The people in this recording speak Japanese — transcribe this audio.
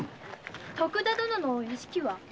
徳田殿の屋敷は？